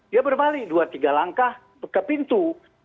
dia berbalik dua tiga langkah ke pintu